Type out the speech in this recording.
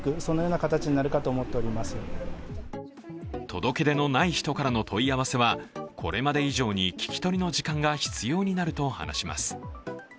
届け出のない人からの問い合わせは、これまで以上に聞き取りの時間が必要になると話します。